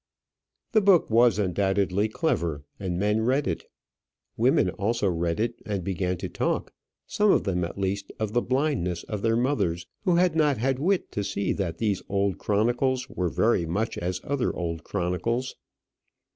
The book was undoubtedly clever, and men read it. Women also read it, and began to talk, some of them at least, of the blindness of their mothers who had not had wit to see that these old chronicles were very much as other old chronicles.